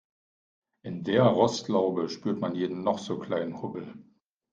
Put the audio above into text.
In der Rostlaube spürt man jeden noch so kleinen Hubbel.